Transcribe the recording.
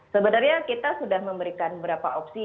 sebenarnya kita sudah memberikan beberapa opsi